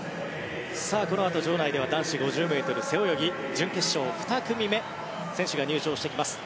このあと場内では男子５０ｍ背泳ぎ準決勝２組目選手が入場してきます。